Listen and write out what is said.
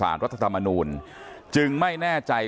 การสืบทอดอำนาจของขอสอชอและยังพร้อมจะเป็นนายกรัฐมนตรี